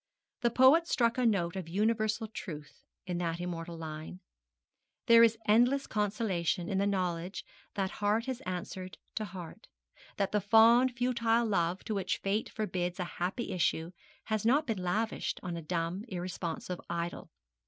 The poet struck a note of universal truth in that immortal line. There is endless consolation in the knowledge that heart has answered to heart; that the fond futile love to which Fate forbids a happy issue has not been lavished on a dumb, irresponsive idol.